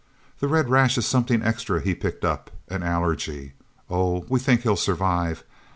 The red rash is something extra he picked up. An allergy... Oh, we think he'll survive.